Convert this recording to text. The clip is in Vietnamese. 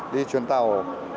đi chuyến tàu